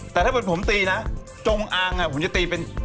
แต่ถ้าเป็นผมตีนะจงอางผมจะตีเป็น